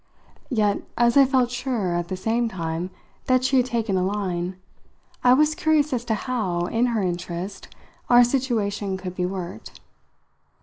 Yet, as I felt sure, at the same time, that she had taken a line, I was curious as to how, in her interest, our situation could be worked.